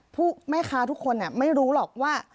แม่ค้าทุกคนไม่รู้หรอกว่า